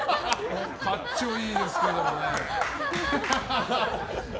かっちょいいですけどね。